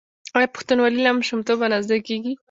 آیا پښتونولي له ماشومتوبه نه زده کیږي؟